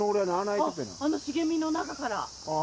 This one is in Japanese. あの茂みの中から。